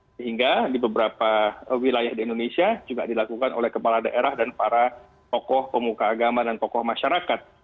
sehingga di beberapa wilayah di indonesia juga dilakukan oleh kepala daerah dan para tokoh pemuka agama dan tokoh masyarakat